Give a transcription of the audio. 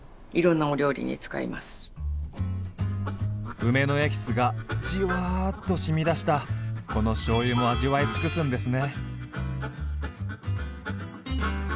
梅のエキスがじわっとしみ出したこのしょうゆも味わい尽くすんですね。